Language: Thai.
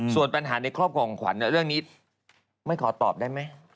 ส่วนปัญหาในครอบครัวของขวัญเรื่องนี้ไม่ขอตอบได้ไหม